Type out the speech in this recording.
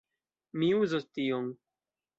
Mi uzos tion.